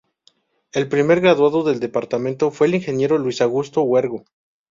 El primer graduado del Departamento fue el Ingeniero Luis Augusto Huergo.